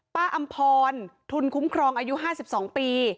อำพรทุนคุ้มครองอายุ๕๒ปี